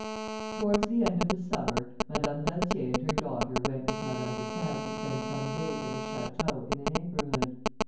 Towards the end of the summer, Madame d'Altier and her daughter went with Madame de Serres to spend some days at a château in the neighbourhood.